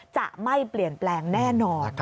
จะไม่เปลี่ยนแปลงแน่นอน